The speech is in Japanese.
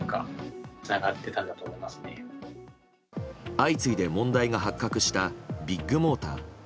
相次いで問題が発覚したビッグモーター。